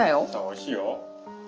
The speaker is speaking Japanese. おいしいよ。